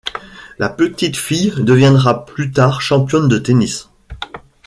La petite fille deviendra plus tard championne de tennis.